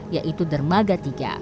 yaitu dermaga tiga